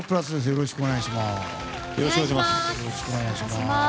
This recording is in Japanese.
よろしくお願いします。